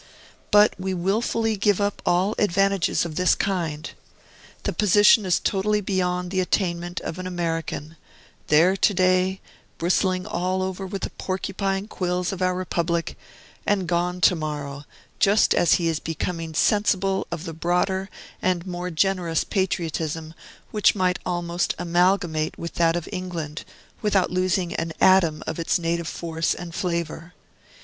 But we wilfully give up all advantages of this kind. The position is totally beyond the attainment of an American; there to day, bristling all over with the porcupine quills of our Republic, and gone to morrow, just as he is becoming sensible of the broader and more generous patriotism which might almost amalgamate with that of England, without losing an atom of its native force and flavor.